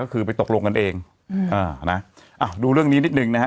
ก็คือไปตกลงกันเองอืมอ่านะอ้าวดูเรื่องนี้นิดหนึ่งนะฮะ